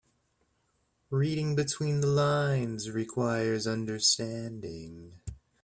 Reading between the lines requires understanding.